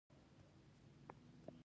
علمي اثار د ټولنې د پرمختګ لامل ګرځي.